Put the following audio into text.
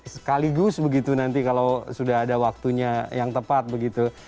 sekaligus begitu nanti kalau sudah ada waktunya yang tepat begitu